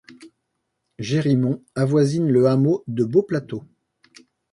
Gérimont avoisine le hameau de Beauplateau.